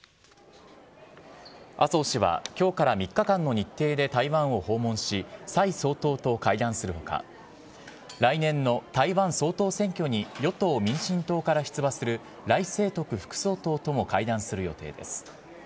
麻生氏は、きょうから３日間の日程で台湾を訪問し、蔡総統と会談するほか、来年の台湾総統選挙に与党・民進党から出馬する頼清徳副総統とも会談する予定です。